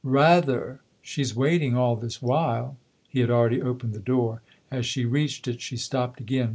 " Rather ! she's waiting all this while." He had already opened the door. As she reached it she stopped again.